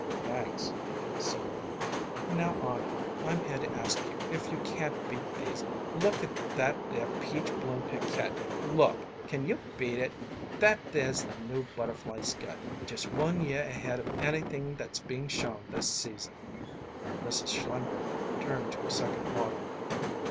"Thanks," said Arnheim. "Now, Arnheim, I'm here to ask you if you can beat these. Look at that there peach bloom Piquette look! Can you beat it? That there's the new butterfly skirt just one year ahead of anything that's being shown this season." Mrs. Schlimberg turned to a second model.